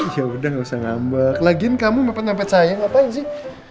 ya udah gak usah ngambak lagian kamu mampet mampet saya gak apa apa sih